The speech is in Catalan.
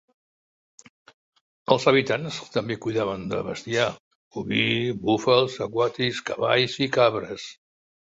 Els habitants també cuidaven de bestiar boví, búfals aquàtics, cavalls i cabres.